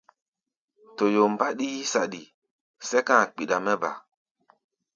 Toyo mbáɗí yí-saɗi, sɛ́ka a̧ kpiɗa mɛ́ ba.